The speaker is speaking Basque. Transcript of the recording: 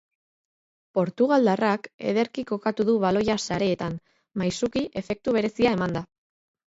Portugaldarrak ederki kokatu du baloia sareetan, maisuki, efektu berezia emanda.